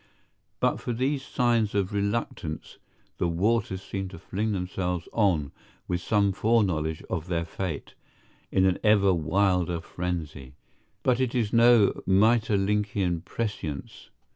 But for these signs of reluctance, the waters seem to fling themselves on with some foreknowledge of their fate, in an ever wilder frenzy. But it is no Maeterlinckian prescience.